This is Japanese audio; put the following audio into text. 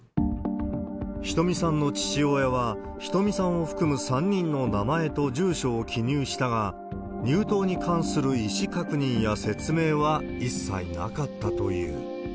ヒトミさんの父親は、ヒトミさんを含む３人の名前と住所を記入したが、入党に関する意思確認や説明は一切なかったという。